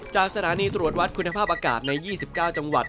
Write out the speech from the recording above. จากสถานีตรวจวัดคุณภาพอากาศใน๒๙จังหวัด